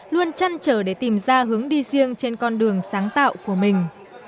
luôn chăn trở để tìm ra hướng đi riêng trên con đường sáng tạo của mình